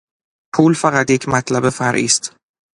پول فقط یک مطلب فرعی است.